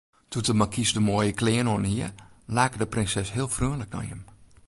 Doe't de markys de moaie klean oanhie, lake de prinses heel freonlik nei him.